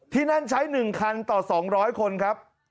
ที่นั่นใช้๑คันต่อ๒๐๐คนครับ